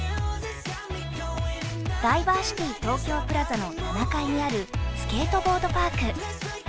ダイバーシティー東京プラザの７階にあるスケートボードパーク。